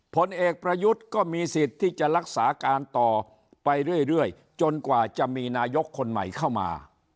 ผลเอกประยุทธ์ก็มีสิทธิ์ที่จะรักษาการต่อไปเรื่อยจนกว่าจะมีนายกคนใหม่เข้ามา